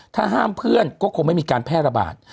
ถ้าห้ามเพื่อนก็คงไม่มีการแพร่ระบาด